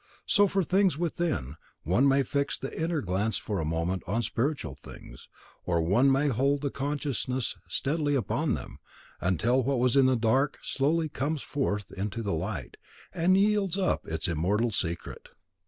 So for things within; one may fix the inner glance for a moment on spiritual things, or one may hold the consciousness steadily upon them, until what was in the dark slowly comes forth into the light, and yields up its immortal secret.